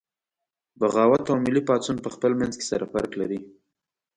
بغاوت او ملي پاڅون پخپل منځ کې سره فرق لري